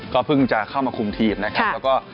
ก็เพิ่งจะเข้ามาคุมทีมนะครับแล้วก็